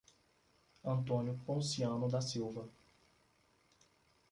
Antônio Ponciano da Silva